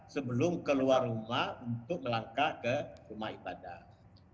sebelum keluar rumah untuk melangkah ke rumah ibadah